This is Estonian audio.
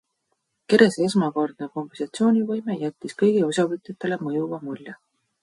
Kerese erakordne kombinatsioonivõime jättis kõigile osavõtjatele mõjuva mulje.